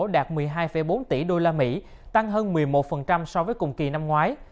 đạt một mươi hai bốn tỷ usd tăng hơn một mươi một so với cùng kỳ năm ngoái